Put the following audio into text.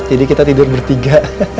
jadi kita tidur bertiga